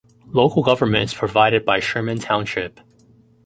Local government is provided by Sherman Township.